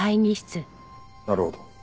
なるほど。